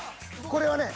［これはね］